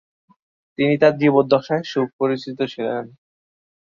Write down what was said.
তিনি তার জীবদ্দশায় সুপরিচিত ছিলেন।